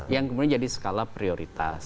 yang kemudian jadi skala prioritas